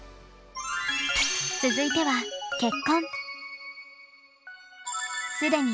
続いては結婚。